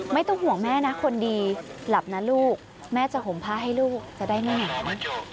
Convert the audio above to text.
ไม่ต้องห่วงแม่นะคนดีหลับนะลูกแม่จะห่มผ้าให้ลูกจะได้ไม่หนอน